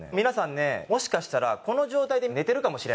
皆さんもしかしたらこの状態で寝てるかも。